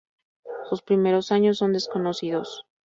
Sus primeros años son desconocidos.